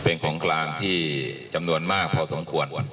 เป็นของกลางที่จำนวนมากพอสมควร